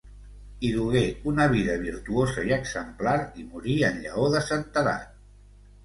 Hi dugué una vida virtuosa i exemplar i morí en llaor de santedat.